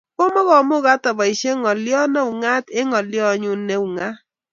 komukomagat aposhe ngalyo neungat eng ngolyo nyu ne ungat